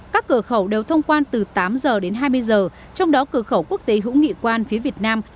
các cửa khẩu đều thông quan từ tám giờ đến hai mươi giờ trong đó cửa khẩu quốc tế hữu nghị quan phía việt nam